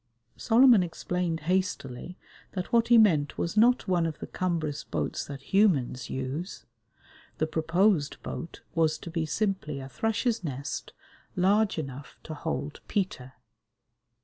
Solomon explained hastily that what he meant was not one of the cumbrous boats that humans use; the proposed boat was to be simply a thrush's nest large enough to hold Peter.